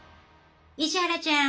石原ちゃん。